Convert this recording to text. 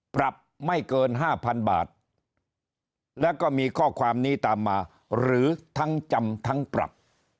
ปรับไม่เกิน๕๐๐๐บาทแล้วก็มีข้อความนี้ตามมาหรือทั้งจำทั้งปรับ